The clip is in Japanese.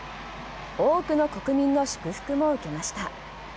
多くの国民の祝福を受けました。